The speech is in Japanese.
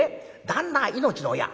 旦那は命の親。